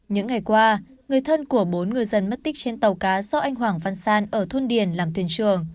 những ngày qua người thân của bốn ngư dân mất tích trên tàu cá do anh hoàng văn san ở thôn điền làm thuyền trường